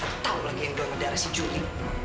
tertau lagi yang doang darah si juli